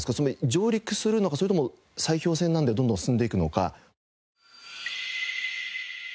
上陸するのかそれとも砕氷船なんでどんどん進んでいくのか。